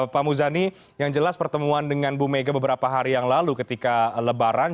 pak muzani yang jelas pertemuan dengan bu mega beberapa hari yang lalu ketika lebaran